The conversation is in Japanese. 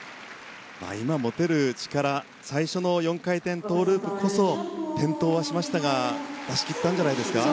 今持てる力最初の４回転トウループこそ転倒はしましたが出し切ったんじゃないですか。